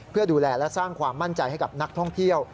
เพื่อดูแลและสร้างความมั่นใจให้กับนักท่องเที่ยว